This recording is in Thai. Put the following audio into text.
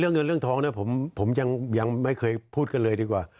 เรื่องเงินเรื่องท้องเนี่ยผมยังไม่เคยพูดกันเลยดีกว่า